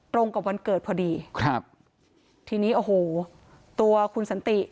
ตรงกับวันเกิดพอดีครับทีนี้โอ้โหตัวคุณสันติ